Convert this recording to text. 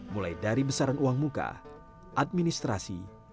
mulai dari besaran uang muka administrasi